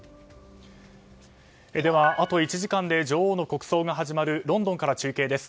では、あと１時間で女王の国葬が始まるロンドンから中継です。